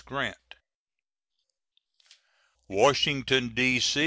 GRANT. WASHINGTON, D.